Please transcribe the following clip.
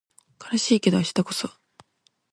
悲しいけど明日こそ